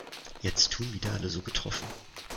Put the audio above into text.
Jetzt tun wieder alle so betroffen.